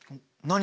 何？